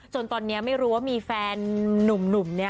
จนตอนนี้ไม่รู้ว่ามีแฟนหนุ่ม